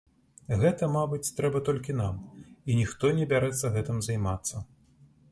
Гэта, мабыць, трэба толькі нам і ніхто не бярэцца гэтым займацца.